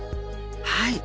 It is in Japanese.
はい！